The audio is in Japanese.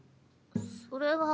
それは。